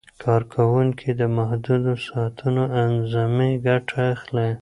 کارکوونکي د محدودو ساعتونو اعظمي ګټه اخلي.